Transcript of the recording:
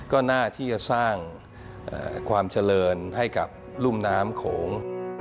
ก็น่าที่จะสร้างความเจริญให้กับรุ่มน้ำโขง